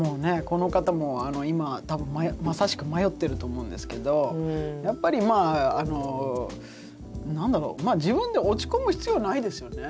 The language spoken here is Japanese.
この方も今多分まさしく迷ってると思うんですけどやっぱり何だろうまあ自分で落ち込む必要ないですよね。